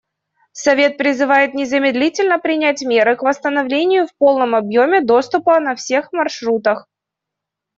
Совет призывает незамедлительно принять меры к восстановлению в полном объеме доступа на всех маршрутах.